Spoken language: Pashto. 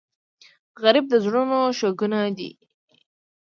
غریب د زړونو شګونه دی